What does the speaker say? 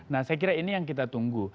nah saya kira ini yang kita tunggu